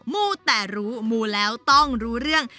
มูแต่รู้มูแล้วต้องรู้เรื่อง